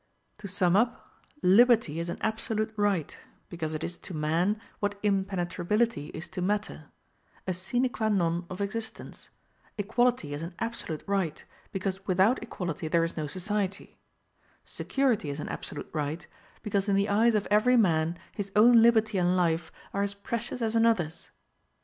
To sum up: liberty is an absolute right, because it is to man what impenetrability is to matter, a sine qua non of existence; equality is an absolute right, because without equality there is no society; security is an absolute right, because in the eyes of every man his own liberty and life are as precious as another's.